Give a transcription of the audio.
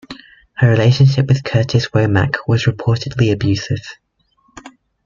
Her relationship with Curtis Womack was reportedly abusive.